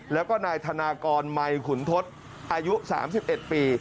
แล้วก็นายธนากรมัยขุนทศอายุ๓๑ปี